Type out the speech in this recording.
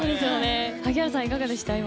萩原さん、いかがでした？